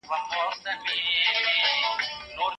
خلګو مخکي امن درلود.